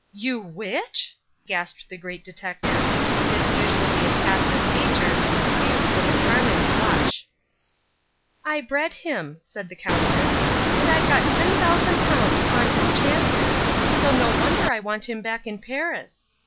"You which?" gasped the Great Detective, his usually impassive features suffused with a carmine blush. "I bred him," said the Countess, "and I've got £10,000 upon his chances, so no wonder I want him back in Paris.